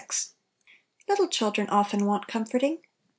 LITTLE children often want com forting.